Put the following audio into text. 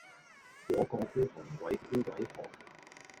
果個孤寒鬼孤鬼寒